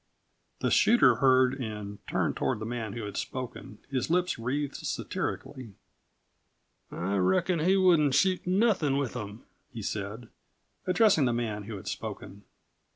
The shooter heard and turned toward the man who had spoken, his lips wreathed satirically. "I reckon he wouldn't shoot nothin' with them," he said, addressing the man who had spoken.